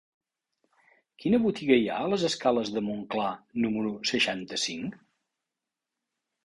Quina botiga hi ha a les escales de Montclar número seixanta-cinc?